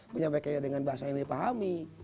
menyampaikan dengan bahasa yang dipahami